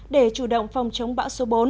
để chủ động phòng chống bão số bốn